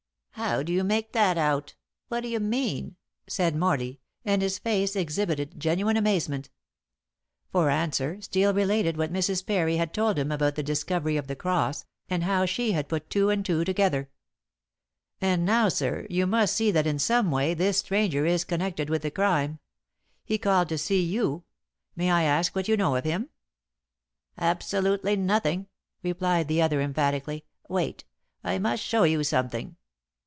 "How do you make that out? What do you mean?" said Morley, and his face exhibited genuine amazement. For answer Steel related what Mrs. Parry had told him about the discovery of the cross, and how she had put two and two together. "And now, sir, you must see that in some way this stranger is connected with the crime. He called to see you. May I ask what you know of him?" "Absolutely nothing," replied the other emphatically. "Wait! I must show you something."